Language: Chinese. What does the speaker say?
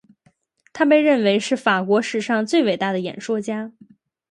他被认为是法国史上最伟大的演说家。